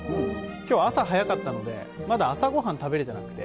きょう、朝早かったので、まだ朝ごはん食べれてなくて。